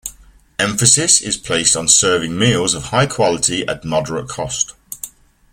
Emphasis is placed on serving meals of high quality at moderate cost.